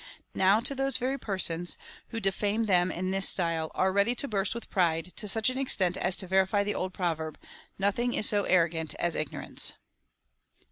^ Now those very persons, who defame them in this style, are ready to burst with pride, to such an extent as to verify the old proverb —" Nothing is so arrogant as ignorance.'"